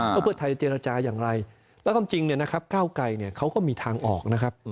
เพื่อธัญญาจารย์อย่างไรแล้วทำจริงก้าวไก่เขาก็มีทางออก